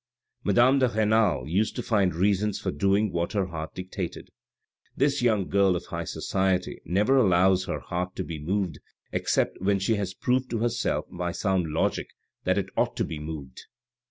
Madame de Renal used to find reasons for doing what her heart dictated. This young girl of high society never allows her heart to be moved except when she has proved to herself by sound logic that it ought to be moved."